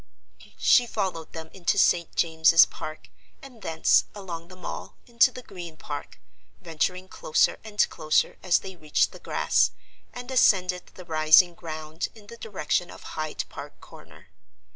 She followed them into St. James's Park, and thence (along the Mall) into the Green Park, venturing closer and closer as they reached the grass and ascended the rising ground in the direction of Hyde Park Corner.